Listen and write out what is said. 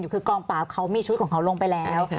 คือกองปราบเขามีชุดของเขาลงไปแล้ว